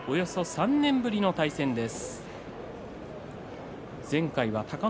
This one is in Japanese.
およそ３年ぶりの対戦です。